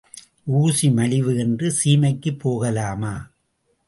ஊசி மலிவு என்று சீமைக்குப் போகலாமா?